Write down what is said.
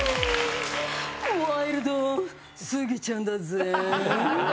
ワイルドスギちゃんだぜぇ。